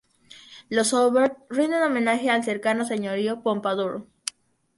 Los Aubert rinden homenaje al cercano señorío de Pompadour.